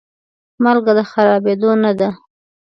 مالګه د خرابېدو نه ده.